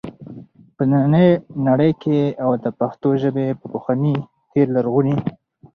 په ننی نړۍ کي او د پښتو ژبي په پخواني تیر لرغوني